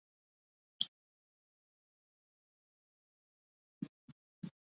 美国海军天文台也在塔斯马尼亚岛用可携式录影设备记录了偏食阶段的图像。